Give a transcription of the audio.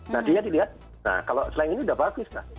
nah dia dilihat kalau selain ini udah bagus lah